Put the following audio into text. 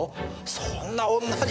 そんな女に。